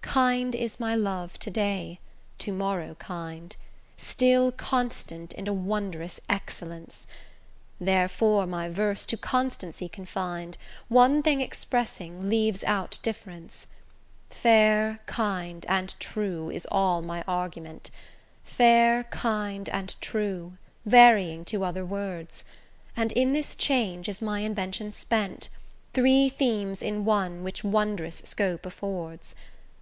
Kind is my love to day, to morrow kind, Still constant in a wondrous excellence; Therefore my verse to constancy confin'd, One thing expressing, leaves out difference. 'Fair, kind, and true,' is all my argument, 'Fair, kind, and true,' varying to other words; And in this change is my invention spent, Three themes in one, which wondrous scope affords.